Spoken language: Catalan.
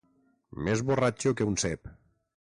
Més borratxo que un cep.